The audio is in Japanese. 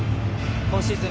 今シーズン